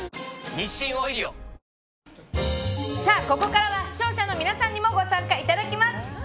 ここからは視聴者の皆さんにもご参加いただきます。